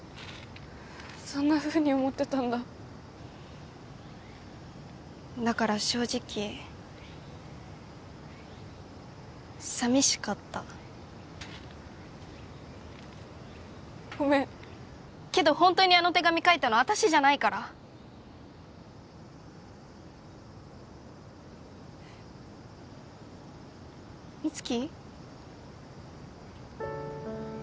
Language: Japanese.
そんなふうに思ってたんだだから正直寂しかったごめんけどホントにあの手紙書いたの私じゃないから美月？